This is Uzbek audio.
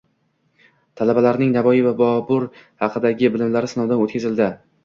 Talabalarning Navoiy va Bobur haqidagi bilimlari sinovdan o‘tkazildi